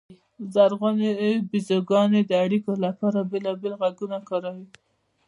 زرغونې بیزوګانې د اړیکو لپاره بېلابېل غږونه کاروي.